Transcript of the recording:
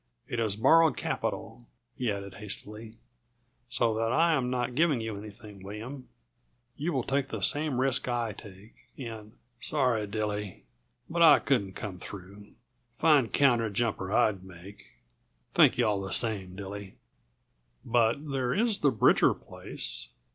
It is borrowed capital," he added hastily, "so that I am not giving you anything, William. You will take the same risk I take, and " "Sorry, Dilly, but I couldn't come through. Fine counter jumper I'd make! Thank yuh all the same, Dilly." "But there is the Bridger place.